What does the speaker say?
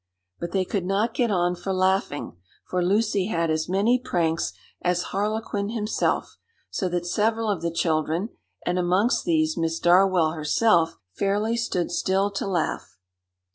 But they could not get on for laughing, for Lucy had as many pranks as Harlequin himself, so that several of the children, and amongst these Miss Darwell herself, fairly stood still to laugh.